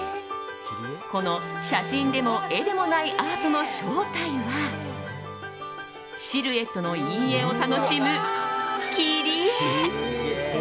この写真でも絵でもないアートの正体はシルエットの陰影を楽しむ切り絵。